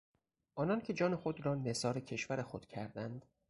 آنان که جان خود را نثار کشور خود کردند